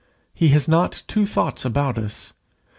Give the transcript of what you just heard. He has not two thoughts about us.